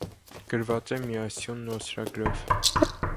Գրված է միասյուն, նոսրագրով։